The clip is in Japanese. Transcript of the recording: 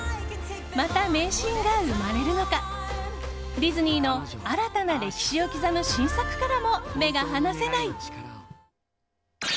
また名シーンが生まれるのかディズニーの新たな歴史を刻む新作からも目が離せない。